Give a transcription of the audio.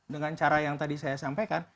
dengan cara yang tadi saya sampaikan